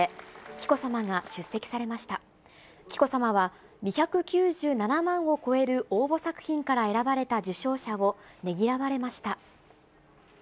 紀子さまは、２９７万を超える応募作品から選ばれた受賞者をねぎらわれました。